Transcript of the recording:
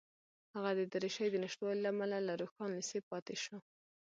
هغه د دریشۍ د نشتوالي له امله له روښان لېسې پاتې شو